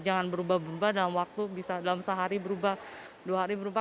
jangan berubah berubah dalam waktu bisa dalam sehari berubah dua hari berubah